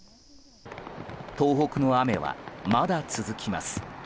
東北の雨はまだ続きます。